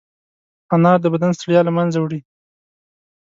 انار د بدن ستړیا له منځه وړي.